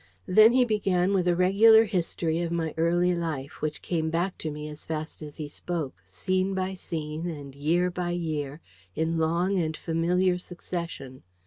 Then he began with a regular history of my early life, which came back to me as fast as he spoke, scene by scene and year by year, in long and familiar succession.